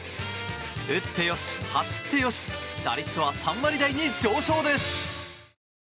打ってよし、走ってよし打率は３割台に上昇です。